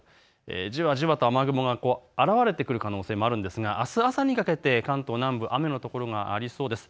じわじわと雨雲が現れてくる可能性もあるんですが、あす朝にかけて関東南部、雨の所がありそうです。